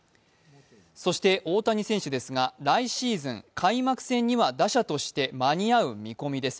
そして大谷選手ですが来シーズン、開幕戦には打者として間に合う見込みです。